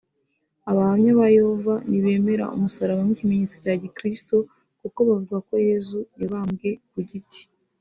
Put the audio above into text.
Abahamya ba Yehova ntibemera umusaraba nk’ikimenyetso cya gikristu kuko bavuga ko Yezu yabambwe ku giti